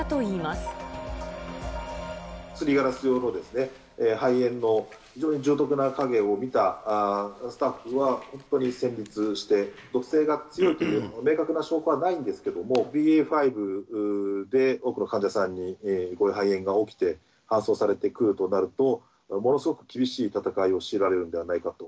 すりガラス状の肺炎の非常に重篤な影を見たスタッフは、本当に戦りつして、毒性が強いという明確な証拠はないんですけれども、ＢＡ．５で多くの患者さんに、こういう肺炎が起きて、搬送されてくるとなると、ものすごく厳しい戦いを強いられるんではないかと。